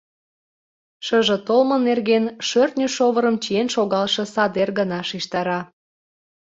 Шыже толмо нерген шӧртньӧ шовырым чиен шогалше садер гына шижтара.